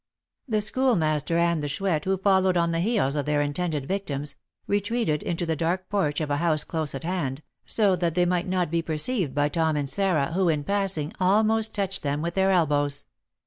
The Schoolmaster and the Chouette, who followed on the heels of their intended victims, retreated into the dark porch of a house close at hand, so that they might not be perceived by Tom and Sarah, who, in passing, almost touched them with their elbows.